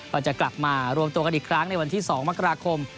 ก็จะกลับมารวมตัวกันอีกครั้งในวันที่๒มกราคม